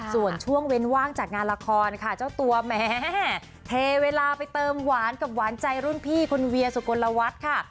ส่วนช่วงเว้นว่างจากงานละครค่ะเจ้าตัวแม้เทเวลาไปเติมหวานกับหวานใจรุ่นพี่คุณเวียสุกลวัฒน์ค่ะ